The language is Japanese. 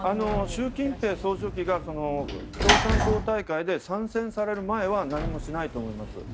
習近平総書記が共産党大会で３選される前には何もしないと思います。